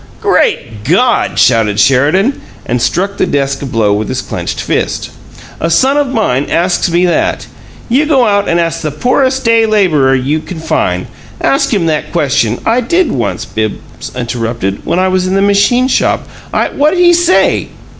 "Great God!" shouted Sheridan, and struck the desk a blow with his clenched fist. "A son of mine asks me that! You go out and ask the poorest day laborer you can find! Ask him that question " "I did once," Bibbs interrupted; "when I was in the machine shop. I " "Wha'd he say?"